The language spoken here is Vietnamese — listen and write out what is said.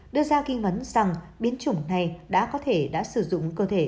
đưa ra kinh vấn rằng biến chủng này đã có thể đã sử dụng cơ thể